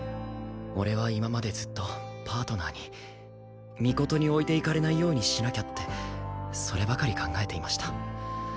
俺は今までずっとパートナーに尊に置いていかれないようにしなきゃってそればかり考えていました。